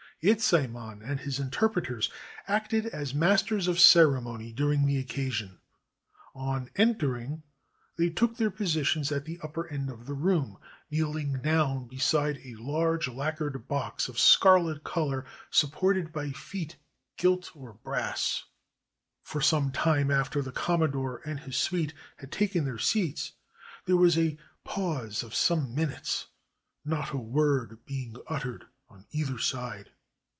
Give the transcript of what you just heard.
Yezaiman and his interpreters acted as masters of ceremony during the occasion. On entering, they took their positions at the upper end of the room, kneel 435 JAPAN ing down beside a large lacquered box of scarlet color, supported by feet, gilt or brass. For some time after the Commodore and his suite had taken their seats there was a pause of some minutes, not a word being uttered on either side.